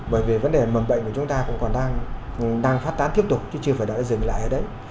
bởi vì vấn đề mầm bệnh của chúng ta cũng còn đang phát tán tiếp tục chứ chưa phải đã dừng lại ở đấy